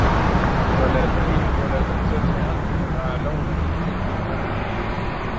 ولا تهنوا ولا تحزنوا وأنتم الأعلون إن كنتم مؤمنين